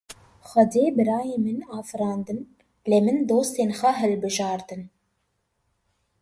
Xwedê birayên min afirandin, lê min dostên xwe hilbijartin.